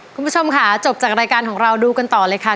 คุณผู้ชมค่ะจบจากรายการของเราดูกันต่อเลยค่ะ